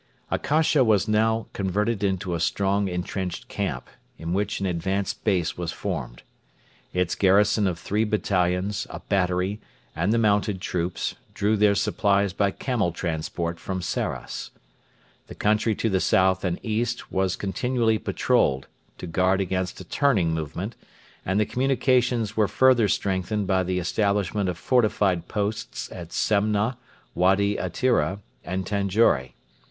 Akasha was now converted into a strong entrenched camp, in which an advanced base was formed. Its garrison of three battalions, a battery, and the mounted troops, drew their supplies by camel transport from Sarras. The country to the south and east was continually patrolled, to guard against a turning movement, and the communications were further strengthened by the establishment of fortified posts at Semna, Wady Atira, and Tanjore.